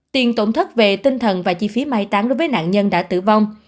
tiền tổn thất về tinh thần và chi phí mai táng đối với nạn nhân đã tử vong